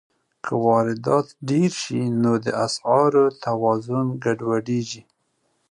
که واردات ډېر شي، نو د اسعارو توازن ګډوډېږي.